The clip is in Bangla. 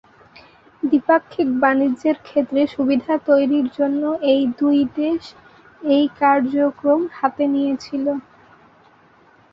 দ্বিপাক্ষিক বাণিজ্যের ক্ষেত্রে সুবিধা তৈরির জন্য এই দুই দেশ এই কার্যক্রম হাতে নিয়েছিল।